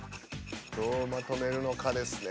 どうまとめるのかですね